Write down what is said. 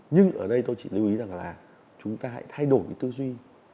nhưng ở đây tôi chỉ lưu ý rằng là chúng ta hãy thay đổi cái tư duy